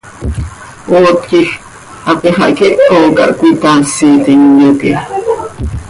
Oot quij hapi xah quiho cah cöitaasitim, yoque.